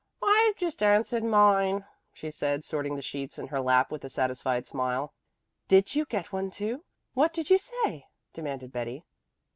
"I've just answered mine," she said, sorting the sheets in her lap with a satisfied smile. "Did you get one, too? What did you say?" demanded Betty.